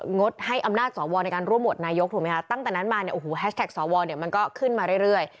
งดให้อำนาจสวในการร่วมโหวตนายกถูกไหมคะตั้งแต่นั้นมาเนี่ยโอ้โหแฮชแท็กสวเนี่ยมันก็ขึ้นมาเรื่อย